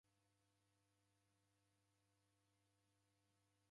Ivi vitiri vesia kazi.